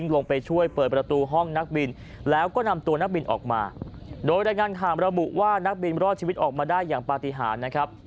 โดยรายงานถามระบุว่านักบินรอดชีวิตออกมาได้อย่างป้าติหา